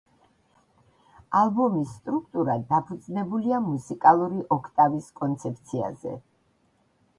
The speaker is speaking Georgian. ალბომის სტრუქტურა დაფუძნებულია მუსიკალური ოქტავის კონცეფციაზე.